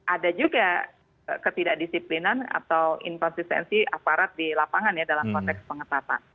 ada juga ketidakdisiplinan atau inkonsistensi aparat di lapangan ya dalam konteks pengetatan